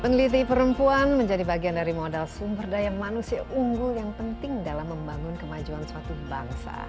peneliti perempuan menjadi bagian dari modal sumber daya manusia unggul yang penting dalam membangun kemajuan suatu bangsa